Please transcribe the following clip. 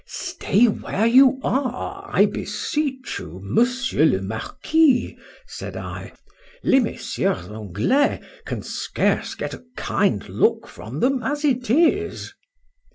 —Stay where you are, I beseech you, Monsieur le Marquis, said I.—Les Messieurs Anglois can scarce get a kind look from them as it is.